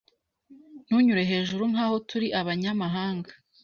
Ntunyure hejuru nkaho turi abanyamahanga.